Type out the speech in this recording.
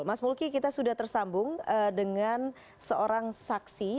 mas mulki kita sudah tersambung dengan seorang saksi